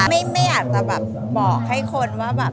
ไม่อาจจะบอกให้คนว่า